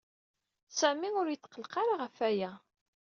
Sami ur yetqelleq ara ɣef waya.